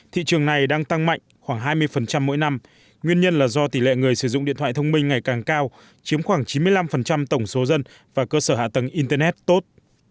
thị trường này đang tăng mạnh khoảng hai mươi mỗi năm nguyên nhân là do tỷ lệ người sử dụng điện thoại thông minh ngày càng cao chiếm khoảng chín mươi năm tổng số dân và cơ sở hạ tầng internet tốt